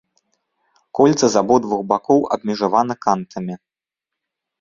Кольца з абодвух бакоў абмежавана кантамі.